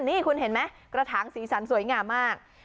นี่คุณเห็นไหมกระถางสีสันสวยงามมาก